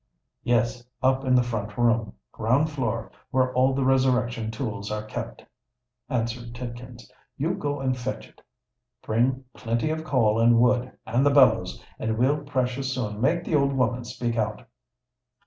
"Yes—up in the front room, ground floor, where all the resurrection tools are kept," answered Tidkins. "You go and fetch it—bring plenty of coal and wood, and the bellows—and we'll precious soon make the old woman speak out."